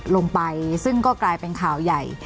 ลงไปซึ่งก็กลายเป็นข่าวใหญ่